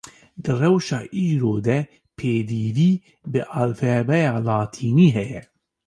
Di rewşa îro de, pêdivî bi alfabêya latînî heye